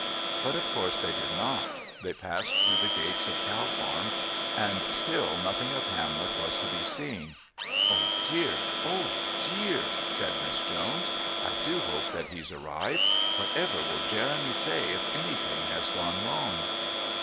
But of course they did not. They passed through the gates of Cow Farm and still nothing of Hamlet was to be seen. "Oh dear! Oh dear!" said Miss Jones. "I do hope that he's arrived. Whatever will Jeremy say if anything has gone wrong?"